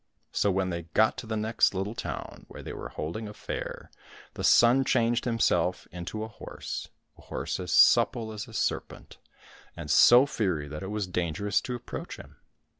So when they got to the next little town, where they were holding a fair, the son changed himself into a horse, a horse as supple as a serpent, and so fiery that it was dangerous to approach him.